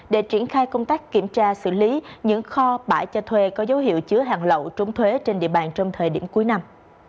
để triển khai công tác kiểm tra xử lý những kho bãi cho thuê có dấu hiệu chứa hàng lậu trốn thuế trên địa bàn trong thời điểm cuối năm